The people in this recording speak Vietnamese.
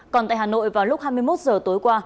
còn tại hà nội vào lúc hai mươi một h tối qua